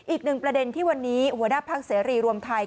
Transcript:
อีกหนึ่งประเด็นที่วันนี้หัวหน้าพักเสรีรวมไทย